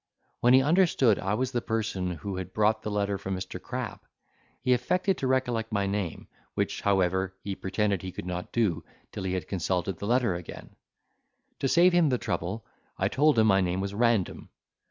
When he understood I was the person who had brought the letter from Mr. Crab, he affected to recollect my name, which, however, he pretended he could not do till he had consulted the letter again; to save him the trouble, I told him my name was Random.